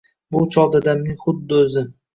“Bu chol dadamning xuddi oʻzi!